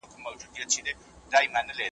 پښې مه وهئ.